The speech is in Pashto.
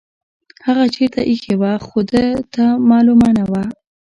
هغه چیرته ایښې وه خو ده ته معلومه نه وه.